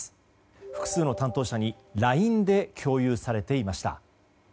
複数の担当者にＬＩＮＥで共有されていました。